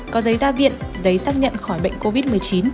có giấy ra viện giấy xác nhận khỏi bệnh covid một mươi chín